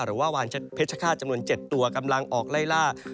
วานเพชรฆาตจำนวน๗ตัวกำลังออกไล่ล่า